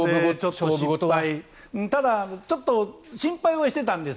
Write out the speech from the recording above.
ただ、ちょっと心配はしていたんです。